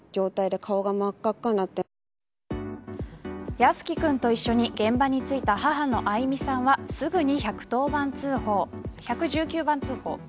靖宜君と一緒に現場に着いた母の愛美さんはすぐに１１９番通報。